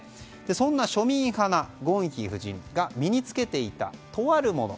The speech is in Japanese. そんな庶民派なゴンヒ夫人が身に着けていた、とあるもの。